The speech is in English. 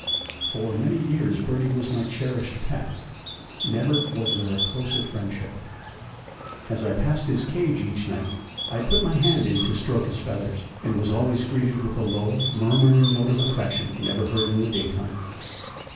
For many years Birdie was my cherished pet, never was there a closer friendship. As I passed his cage each night I put my hand in to stroke his feathers, and was always greeted with a low, murmuring note of affection never heard in the daytime.